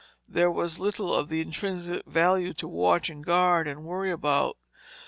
There was little of intrinsic value to watch and guard and worry about.